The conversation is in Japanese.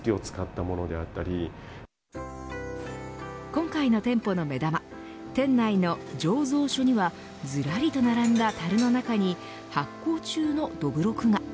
今回の店舗の目玉店内の醸造所にはずらりと並んだたるの中に発酵中のどぶろくが。